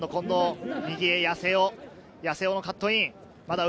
八瀬尾のカットイン。